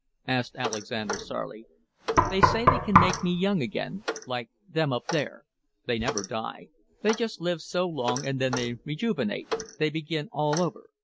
asked Alexander sourly. "They say they can make me young again. Like them up there. They never die. They just live so long, and then they rejuvenate, they begin all over.